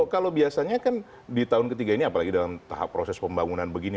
kalau biasanya kan di tahun ketiga ini apalagi dalam tahap proses pembangunan begini